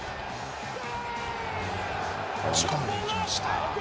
押し込んでいきました。